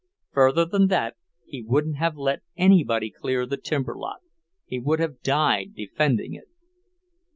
Further than that he wouldn't have let anybody clear the timber lot; he would have died defending it.